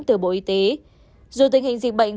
từ bộ y tế dù tình hình dịch bệnh